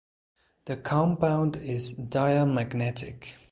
The compound is diamagnetic.